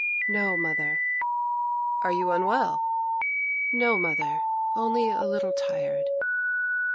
'No, mother.' 'Are you unwell?' 'No, mother; only a little tired.